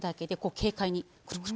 軽快に。